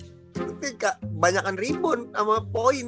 tapi gak banyakan ribu sama point